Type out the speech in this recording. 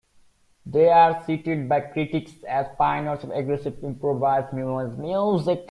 They are cited by critics as pioneers of aggressive improvised noise music.